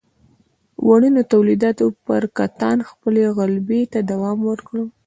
وړینو تولیداتو پر کتان خپلې غلبې ته دوام ورکړ.